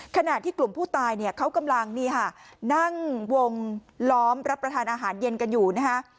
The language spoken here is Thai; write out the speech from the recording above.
ขณะที่กลุ่มผู้ตายเนี่ยเขากำลังนั่งวงล้อมรับประทานอาหารเย็นกันอยู่นะฮะ